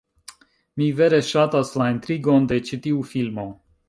Mi vere ŝatas la intrigon de ĉi tiu filmo